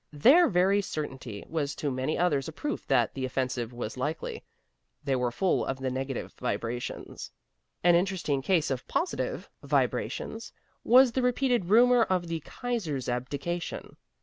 Their very certainty was to many others a proof that the offensive was likely. They were full of the negative vibrations. An interesting case of positive vibrations was the repeated rumor of the Kaiser's abdication.